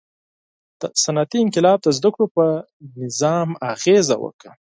• صنعتي انقلاب د زدهکړو په سیستم اغېزه وکړه.